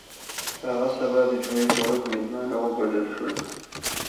په هغه سبا د جمعې په ورځ میلمانه وبلل شول.